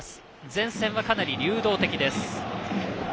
前線はかなり流動的です。